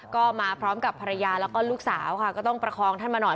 ก็มาพร้อมกับภรรยาแล้วก็ลูกสาวค่ะก็ต้องประคองท่านมาหน่อย